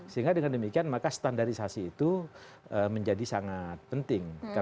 sehingga dengan demikian maka standarisasi itu menjadi sangat penting